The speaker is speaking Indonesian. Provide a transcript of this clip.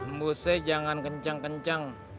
mbusi jangan kencang kencang